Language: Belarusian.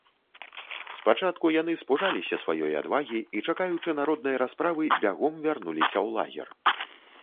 Спачатку яны спужаліся сваёй адвагі і, чакаючы народнай расправы, бягом вярнуліся ў лагер.